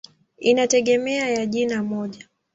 Inategemea ya jina moja.